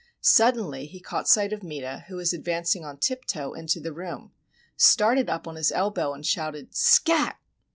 Suddenly he caught sight of Meta, who was advancing on tip toe into the room, started up on his elbow, and shouted "_Scat!!